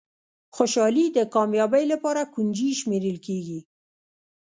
خوشالي د کامیابۍ لپاره کونجي شمېرل کېږي.